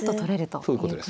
そういうことです。